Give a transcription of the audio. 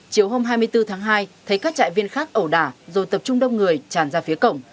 chiều hôm hai mươi bốn tháng hai thấy các trại viên khác ẩu đả rồi tập trung đông người tràn ra phía cổng